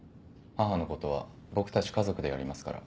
母のことは僕たち家族でやりますから。